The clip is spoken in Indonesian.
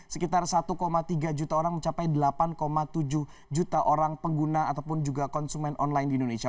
sekitar satu tiga juta orang mencapai delapan tujuh juta orang pengguna ataupun juga konsumen online di indonesia